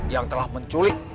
yang telah menculik